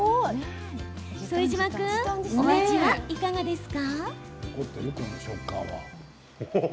副島君、お味はいかがですか？